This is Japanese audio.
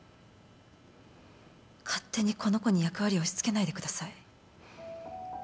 勝手にこの子に役割を押し付けないでください。